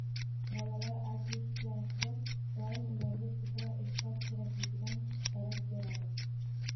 Bolalar agressiyasi doimo ularga ko‘proq eʼtibor kerakligidan darak beradi.